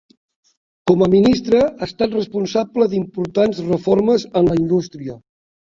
Com a Ministre ha estat responsable d'importants reformes en la indústria.